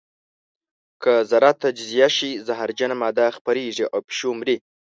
که ذره تجزیه شي زهرجنه ماده خپرېږي او پیشو مري.